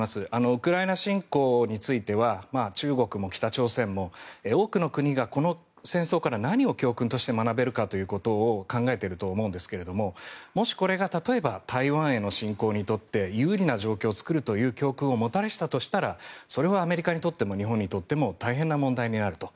ウクライナ侵攻については中国も北朝鮮も多くの国がこの戦争から何を教訓として学べるかということを考えていると思うんですけどもし、これが例えば台湾の侵攻にとって有利な状況を作るという教訓をもたらしたとしたらそれはアメリカにとっても日本にとっても大変な問題になると。